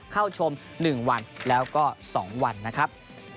เข้าชมหนึ่งวันแล้วก็สองวันนะครับ